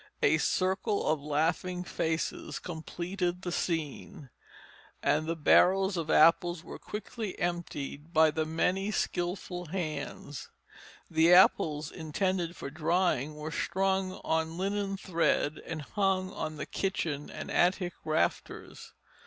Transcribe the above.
A circle of laughing faces completed the scene, and the barrels of apples were quickly emptied by the many skilful hands. The apples intended for drying were strung on linen thread and hung on the kitchen and attic rafters.